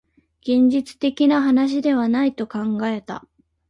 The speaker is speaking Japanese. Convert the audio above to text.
現実的な話ではないと考えた